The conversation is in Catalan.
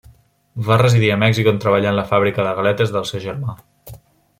Va residir a Mèxic on treballà en la fàbrica de galetes del seu germà.